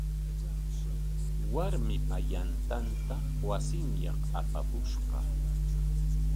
Warmipa yantanta wasinyaq apapushqa.